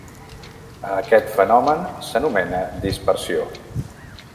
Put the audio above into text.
A aquest fenomen s'anomena dispersió.